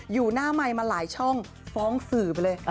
อยู่หน้าไมค์มาหลายช่องฟ้องสื่อไปเลย